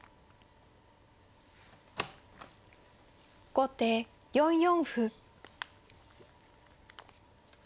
後手４四歩。